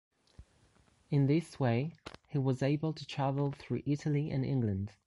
In this way, he was able to travel through Italy and England.